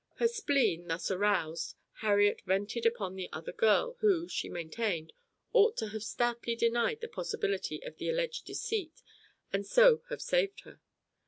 Her spleen, thus aroused, Harriet vented upon the other girl, who, she maintained, ought to have stoutly denied the possibility of the alleged deceit, and so have saved her.